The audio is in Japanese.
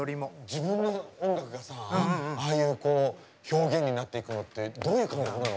自分の音楽がさああいう表現になっていくのってどういう感覚なの？